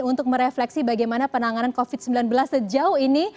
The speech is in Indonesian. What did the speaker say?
untuk merefleksi bagaimana penanganan covid sembilan belas sejauh ini